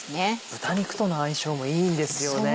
豚肉との相性もいいんですよね。